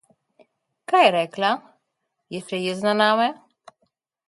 Kaj je rekla? Je še jezna name?